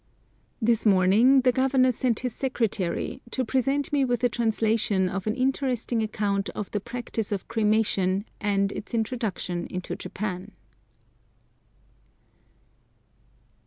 This morning the Governor sent his secretary to present me with a translation of an interesting account of the practice of cremation and its introduction into Japan.